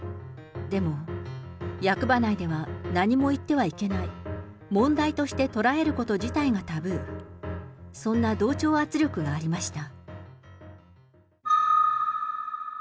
でも、役場内では、何も言ってはいけない、問題として捉えること自体がタブー、そんな同調圧力がありました。